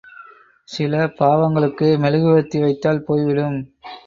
சில பாவங்களுக்கு மெழுகுவர்த்தி வைத்தால் போய் விடும்.